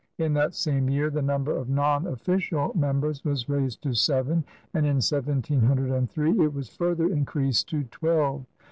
In that same year the number of non official members was raised to seven, and in 1703 it was further increased to twelve.'